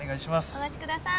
お待ちください